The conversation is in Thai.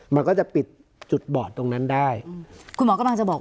มันก็จะปิดจุดบอดตรงนั้นได้อืมคุณหมอกำลังจะบอก